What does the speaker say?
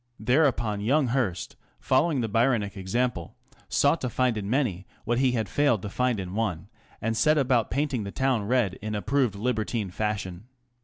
Thereupon young Hearst, following the Byronic example, sought to find in many what he had failed to find in one, and set about painting the town red in approved libertine fashion.